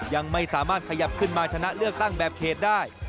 ยังไม่สามารถขยับขึ้นมาชนะเลือกตั้งแบบเขตได้